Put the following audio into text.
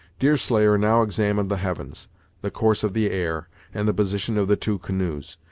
Deerslayer now examined the heavens, the course of the air, and the position of the two canoes.